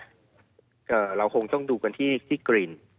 เรารับหลักฐานและเราคงต้องดูกันที่กิน